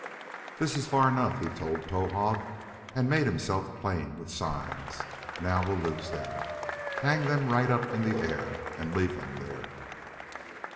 "This is far enough," he told Towahg, and made himself plain with signs. "Now we'll lose them; hang them right up in the air and leave them there."